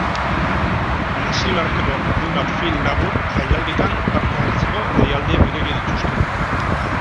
Nazioarteko hainbat film labur jaialditan parte hartzeko deialdiak ireki dituzte.